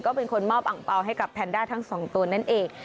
ก็เป็นคนมอบอังเปล่าให้กับแพนด้าทั้งสองตัวนั่นเอง